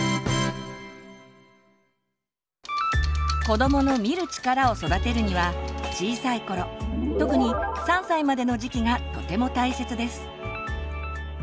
子どもの「見る力」を育てるには小さい頃特に３歳までの時期がとても大切です。